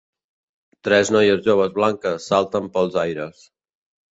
Tres noies joves blanques salten pels aires.